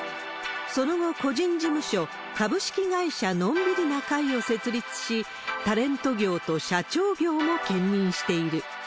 その後、個人事務所、株式会社のんびりなかいを設立し、タレント業と社長業も兼任している。